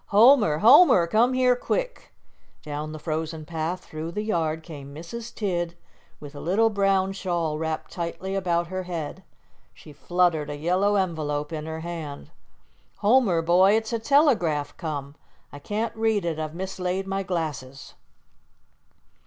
"Homer, Homer, come here quick." Down the frozen path through the yard came Mrs. Tidd, with the little brown shawl wrapped tightly about her head. She fluttered a yellow envelope in her hand. "Homer boy, it's a telegraph come. I can't read it; I've mislaid my glasses."